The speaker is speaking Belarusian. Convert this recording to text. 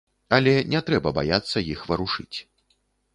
Але не трэба баяцца іх варушыць.